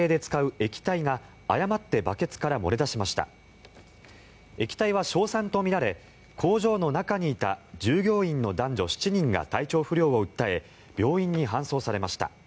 液体は硝酸とみられ工場の中にいた従業員の男女７人が体調不良を訴え病院に搬送されました。